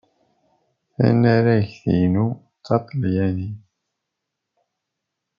Tanaragt-inu d taṭalyanit.